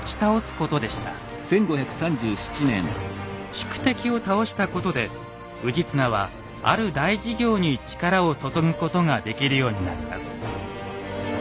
宿敵を倒したことで氏綱はある大事業に力を注ぐことができるようになります。